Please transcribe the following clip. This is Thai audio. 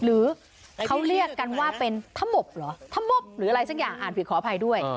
หรือเขาเรียกกันว่าเป็นธมบเหรอธมบหรืออะไรสักอย่างอ่านผิดขออภัยด้วย